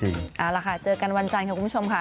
เอาล่ะค่ะเจอกันวันจันทร์ค่ะคุณผู้ชมค่ะ